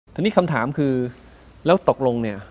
ทีนี้คำถามคือแล้วตกลงเนี่ย